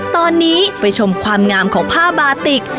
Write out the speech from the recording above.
ตอนนี้ไปชมความงามของผ้าบาติก